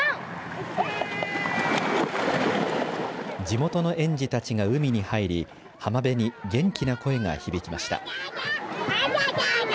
地元の園児たちが海に入り浜辺に元気な声が響きました。